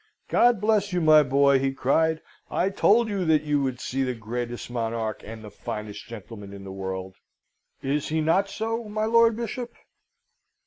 "God bless you, my boy," he cried; "I told you that you would see the greatest monarch and the finest gentleman in the world. Is he not so, my Lord Bishop?"